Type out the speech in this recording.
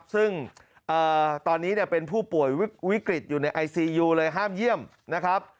ซึ่งตอนนี้เป็นผู้ป่วยวิกฤตอยู่ในไอซียูเลยห้ามเยี่ยมนะครับ